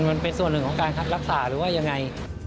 มันเป็นส่วนหนึ่งของการคัดรักษาหรือว่ายังไง